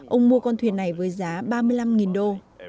ông mua con thuyền này với giá ba mươi năm đô